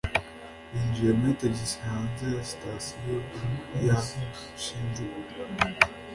Ninjiye muri tagisi hanze ya Sitasiyo ya Shinjuku.